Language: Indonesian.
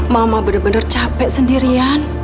mama bener bener capek sendirian